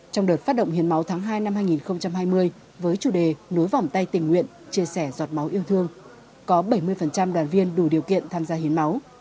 trong đợt phát động hiến máu tháng hai năm hai nghìn hai mươi với chủ đề nối vòng tay tình nguyện chia sẻ giọt máu yêu thương có bảy mươi đoàn viên đủ điều kiện tham gia hiến máu